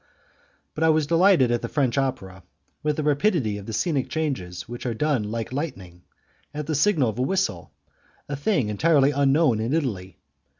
But I was delighted at the French opera, with the rapidity of the scenic changes which are done like lightning, at the signal of a whistle a thing entirely unknown in Italy.